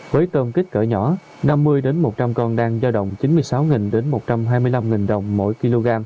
với tôm kích cỡ nhỏ năm mươi một trăm linh con đang giao động chín mươi sáu một trăm hai mươi năm đồng mỗi kg